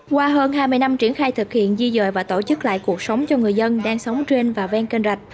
qua hơn hai mươi năm triển khai thực hiện di dời và tổ chức lại cuộc sống cho người dân đang sống trên và ven kênh rạch